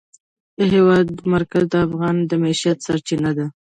د هېواد مرکز د افغانانو د معیشت سرچینه ده.